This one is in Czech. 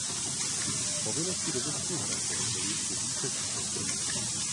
Povinnosti dovozců hraček byly ještě více zpřísněny.